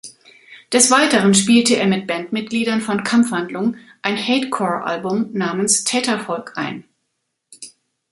Des Weiteren spielte er mit Bandmitgliedern von Kampfhandlung ein Hatecore-Album namens "Tätervolk" ein.